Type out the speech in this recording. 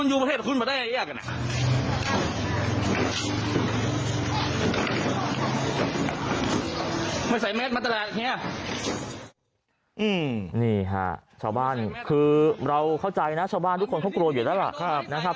อือนี่ค่ะชาวบ้านทุกคนเขากลัวอยู่แล้วล่ะครับ